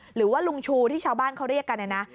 หรือว่าลุงชูที่ชาวบ้านเขาเรียกกันนะนะ